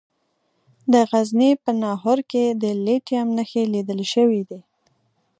د غزني په ناهور کې د لیتیم نښې لیدل شوي دي.